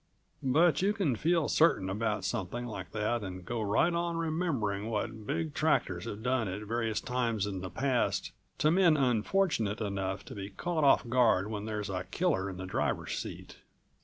But you can feel certain about something like that and go right on remembering what big tractors have done at various times in the past to men unfortunate enough to be caught off guard when there's a killer in the driver's seat.